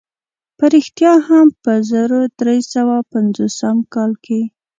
په رښتیا هم په زرو درې سوه پنځوسم کال کې.